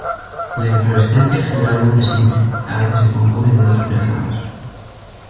La inflorescencia es generalmente simple, a veces se compone de dos o tres ramas.